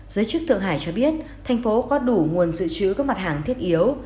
giới chức thượng hải cho biết thành phố có đủ nguồn sự chữ các mặt hàng thiết yếu